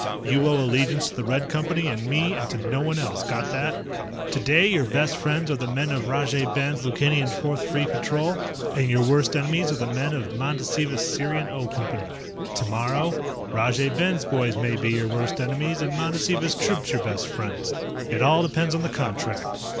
You owe allegiance to the Red Company and me and to no one else. Got that? Today your best friends are the men of Rajay Ben's Lukanian Fourth Free Patrol, and your worst enemies are the men of Mandasiva's Sirian O Company. Tomorrow Rajay Ben's boys may be your worst enemies, and Mandasiva's troops your best friends. It all depends on the contract.